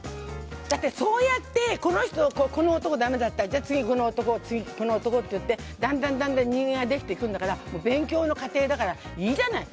だって、そうやってこの男だめだったじゃあ次この男って言ってだんだん人間ができてくんだから勉強の過程だからいいじゃない。